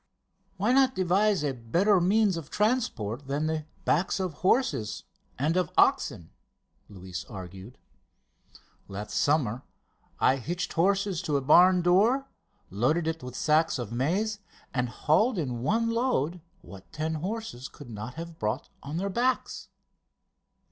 "Why not devise a better means of transport than the backs of horses and of oxen?" Luis argued. "Last summer I hitched horses to a barn door, loaded it with sacks of maize, and hauled in one load what ten horses could not have brought on their backs.